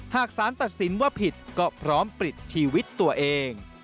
หากสารตัดสินว่าผิดก็พร้อมปลิดชีวิตตัวเอง